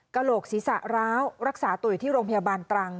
โหลกศีรษะร้าวรักษาตัวอยู่ที่โรงพยาบาลตรัง